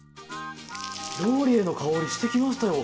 ローリエの香りしてきましたよ。